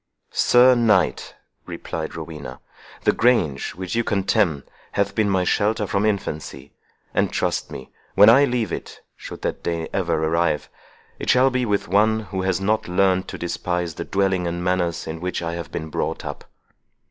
"Sir Knight," replied Rowena, "the grange which you contemn hath been my shelter from infancy; and, trust me, when I leave it—should that day ever arrive—it shall be with one who has not learnt to despise the dwelling and manners in which I have been brought up."